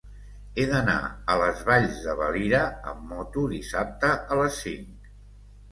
He d'anar a les Valls de Valira amb moto dissabte a les cinc.